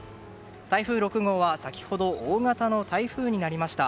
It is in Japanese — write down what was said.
台風６号は先ほど大型の台風になりました。